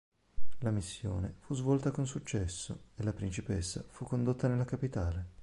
La missione fu svolta con successo e la principessa fu condotta nella capitale.